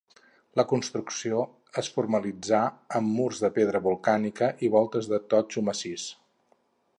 La construcció es formalitzà amb murs de pedra volcànica i voltes de totxo massís.